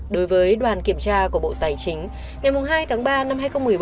đối với đoàn kiểm tra của bộ tài chính ngày hai tháng ba năm hai nghìn một mươi bốn